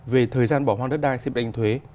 về thời gian bỏ hoang đất đai xịp đánh thuế